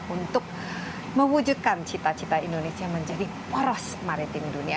untuk mewujudkan cita cita indonesia menjadi poros maritim dunia